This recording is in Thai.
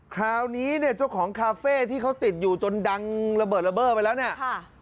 คราวนี้เนี่ยเจ้าของคาเฟ่ที่เขาติดอยู่จนดังระเบิดระเบิดไปแล้วเนี่ย